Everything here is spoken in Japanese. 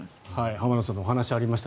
浜田さんのお話ありました